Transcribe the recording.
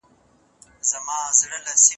مجاهدین د حق په لاره کي سرښندونکي وه.